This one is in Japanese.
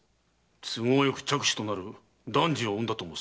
都合よく嫡子となる男児を産んだと申すか？